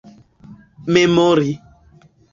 memori